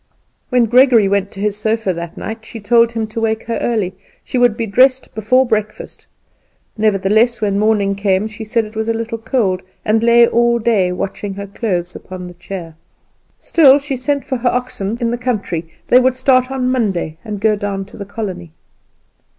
When Gregory went to his sofa that night, she told him to wake her early; she would be dressed before breakfast. Nevertheless, when morning came, she said it was a little cold, and lay all day watching her clothes upon the chair. Still she sent for her oxen in the country; they would start on Monday and go down to the Colony.